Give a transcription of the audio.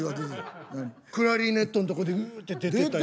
「クラリネット」のとこでうって出てた。